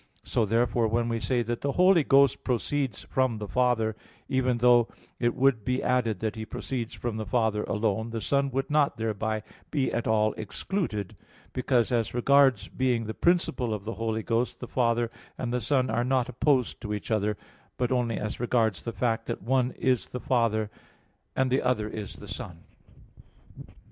So therefore when we say that the Holy Ghost proceeds from the Father, even though it be added that He proceeds from the Father alone, the Son would not thereby be at all excluded; because as regards being the principle of the Holy Ghost, the Father and the Son are not opposed to each other, but only as regards the fact that one is the Father, and the other is the Son.